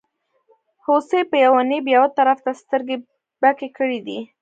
هوسۍ په یوه نېب یوه طرف ته سترګې بکې کړې دي.